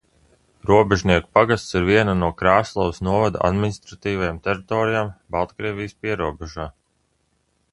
Robežnieku pagasts ir viena no Krāslavas novada administratīvajām teritorijām, Baltkrievijas pierobežā.